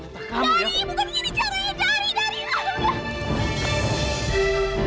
bukan ini jalannya dari